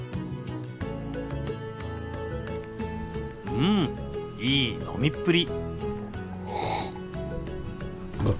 うんいい飲みっぷり！